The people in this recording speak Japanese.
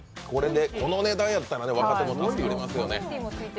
この値段やったら若手も助かりますよね。